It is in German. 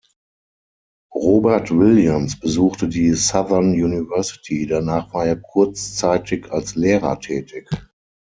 Robert Williams besuchte die Southern University, danach war er kurzzeitig als Lehrer tätig.